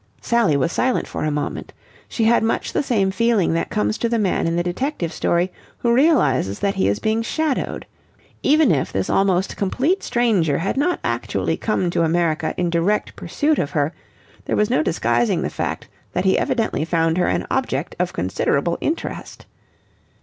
Sally was silent for a moment. She had much the same feeling that comes to the man in the detective story who realizes that he is being shadowed. Even if this almost complete stranger had not actually come to America in direct pursuit of her, there was no disguising the fact that he evidently found her an object of considerable interest.